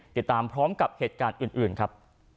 ติดตามพร้อมกับเหตุการณ์อื่นครับ